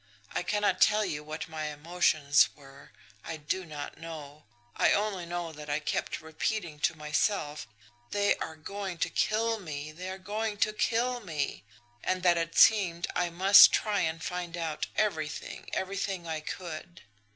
I cannot tell you what my emotions were I do not know. I only know that I kept repeating to myself, 'they are going to kill me, they are going to kill me!' and that it seemed I must try and find out everything, everything I could."